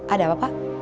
ada apa pak